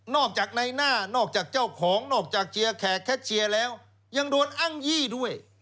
อกจากในหน้านอกจากเจ้าของนอกจากเชียร์แขกแคชเชียร์แล้วยังโดนอ้างยี่ด้วย